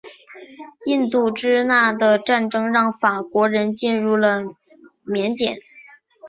印度支那的战争让法国人进入了缅甸。